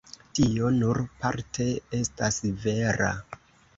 Tio nur parte estas vera.